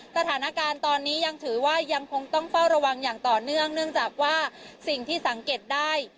สถานการณ์ตอนนี้ยังถือว่ายังคงต้องเฝ้าระวังอย่างต่อเนื่องเนื่องจากว่าสิ่งที่สังเกตได้